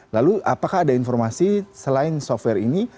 lalu apakah ada informasi selain software ini